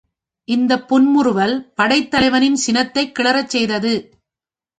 இந்தப் புன்முறுவல் படைத்தலைவனின் சினத்தைக் கிளறச் செய்தது.